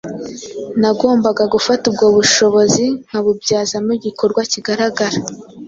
Nagombaga gufata ubwo bushobozi nkabubyazamo igikorwa kigaragara.